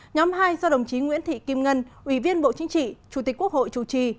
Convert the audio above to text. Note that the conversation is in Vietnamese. nhóm hai do đồng chí nguyễn thị kim ngân ủy viên bộ chính trị chủ tịch quốc hội chủ trì